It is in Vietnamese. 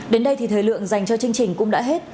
đến đây thì thời lượng dành cho chương trình cũng đã hết